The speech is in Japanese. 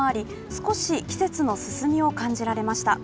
少し季節の進みを感じられました。